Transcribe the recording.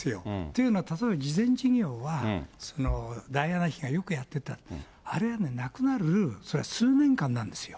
というのは、例えば慈善事業は、ダイアナ妃がよくやってた、あれは亡くなる数年間なんですよ。